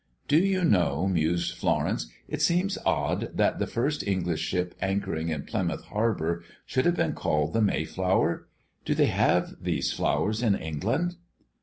"Do you know," mused Florence, "it seems odd that the first English ship anchoring in Plymouth harbor should have been called the Mayflower? Do they have these flowers in England?"